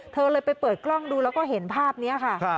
เธอเลยไปเปิดกล้องดูแล้วก็เห็นภาพนี้ค่ะ